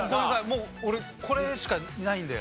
もう俺これしかないんで。